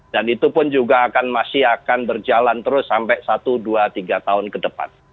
dan itu pun juga akan masih akan berjalan terus sampai satu dua tiga tahun ke depan